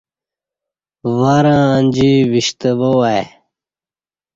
ورں انجی وِشتہ وہ وای